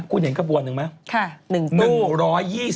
คุณเห็นข้าวบัวนึงมั้ย